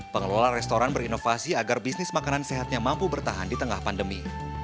pengelola restoran berinovasi agar bisnis makanan sehatnya mampu bertahan di tengah pandemi